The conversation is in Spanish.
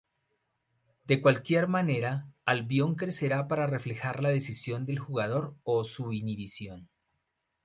De cualquier manera, Albion crecerá para reflejar la decisión del jugador o su inhibición.